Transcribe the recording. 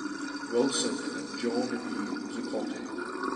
Wilson and John E. Zuccotti.